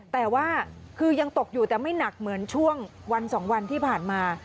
แต่ว่าคือยังตกอยู่แต่ไม่หนักเหมือนช่วงวัน๒วันที่ผ่านมา